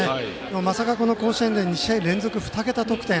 まさか、この甲子園で２試合連続で２桁得点。